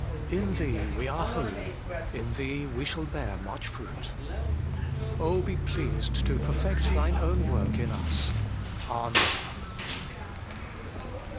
In Thee we are holy : in Thee we shall bear much fruit. Oh, be pleased to perfect Thine own work in us ! Amen.